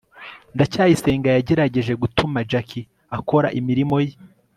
ndacyayisenga yagerageje gutuma jaki akora imirimo ye